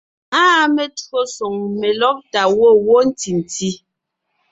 Áa metÿǒsoŋ , melɔ́gtà gwɔ̂ wó ntì ntí.